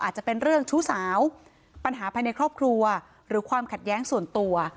อาจจะเป็นเรื่องชู้สาวปัญหาภายในครอบครัวหรือความขัดแย้งส่วนตัว